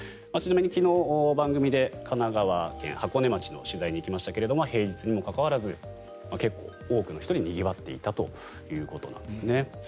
ちなみに昨日、番組で神奈川県箱根町に取材に行きましたが平日にもかかわらず結構、多くの人でにぎわっていたということなんですね。